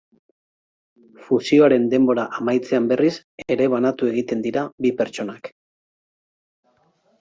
Fusioaren denbora amaitzean berriz ere banatu egiten dira bi pertsonak.